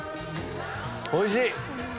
おいしい！